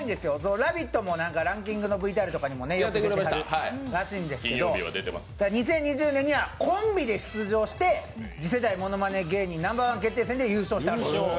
「ラヴィット！」もなんか、ランキングのＶＴＲとかでもやってくれてるらしいんですけど２０２０年にはコンビで出場して次世代ものまね芸人Ｎｏ．１決定戦で優勝したんです。